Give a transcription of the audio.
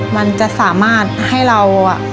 มันจะสามารถให้เรา